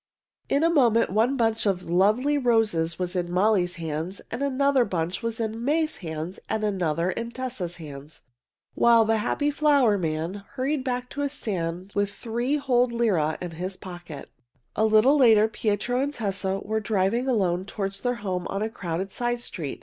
In a moment one bunch of the lovely roses was in Molly's hands and another bunch was in May's hands and another in Tessa's hands, while the happy flower man hurried back to his stand with three whole lire in his pocket. A little later Pietro and Tessa were driving alone toward their home on a crowded side street.